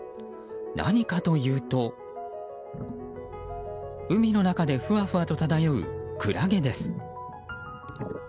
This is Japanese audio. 何かというと、海の中でふわふわと漂うクラゲです。